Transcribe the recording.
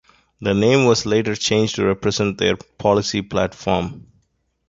The name was later changed to represent their policy platform.